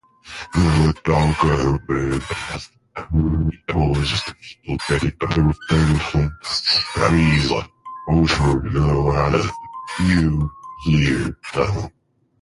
The government has imposed a Medicare benefits freeze over the last few years.